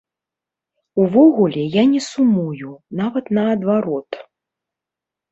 Увогуле я не сумую, нават наадварот.